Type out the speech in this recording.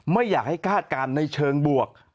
ไม่อยากให้คาดการณ์ในเชิงบวก